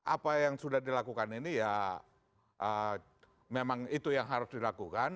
apa yang sudah dilakukan ini ya memang itu yang harus dilakukan